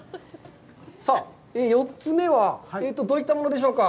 さあ、４つ目はどういったものでしょうか。